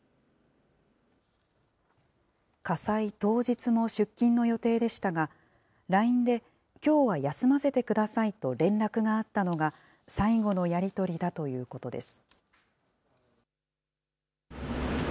火災当日も出勤の予定でしたが、ＬＩＮＥできょうは休ませてくださいと連絡があったのが、最後のやり取りだということです。